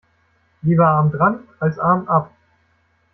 Lieber arm dran als Arm ab.